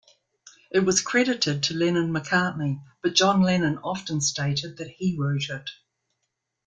It was credited to Lennon-McCartney, but John Lennon often stated that he wrote it.